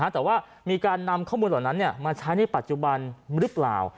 แต่ว่ามีการนำข้อมูลเหล่านั้นมาใช้ในปัจจุบันหรือเปล่า